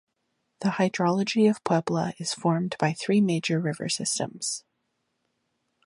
The hydrology of Puebla is formed by three major river systems.